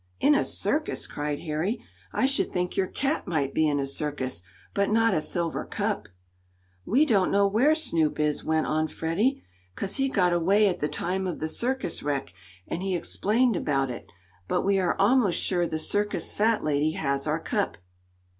"In a circus!" cried Harry. "I should think your cat might be in a circus, but not a silver cup." "We don't know where Snoop is," went on Freddie, "'cause he got away at the time of the circus wreck," and he explained about it. "But we are almost sure the circus fat lady has our cup."